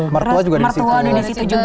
mertua juga di situ